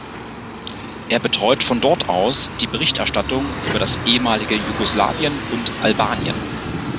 Er betreut von dort aus die Berichterstattung über das ehemalige Jugoslawien und Albanien.